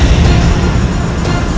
aku ingin menemukan kekuatanmu